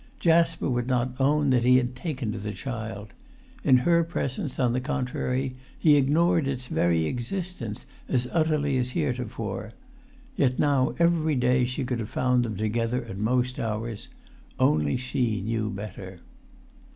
Jasper would not own that he had taken to the child; in her presence, on the contrary, he ignored its very existence as utterly as heretofore. Yet now every day she could have found them together at most hours; only she knew better.